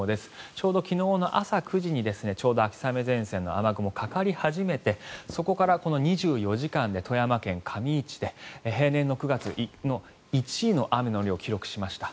ちょうど昨日の朝９時にちょうど秋雨前線の雨雲がかかり始めてそこから２４時間で富山県上市で平年の９月の１位の雨の量を記録しました。